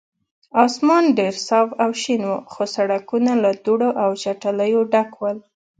اسمان ډېر صاف او شین و، خو سړکونه له دوړو او چټلیو ډک ول.